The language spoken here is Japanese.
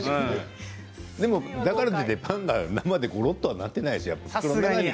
でも、だからといってパンが生でごろっとはなってないでしょう。